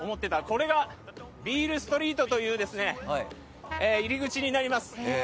これがビールストリートという入り口になります。